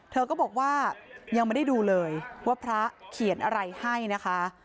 เธอก็บอกว่ายังไม่ได้ดูเลยว่าพระเขียนอะไรให้นะคะ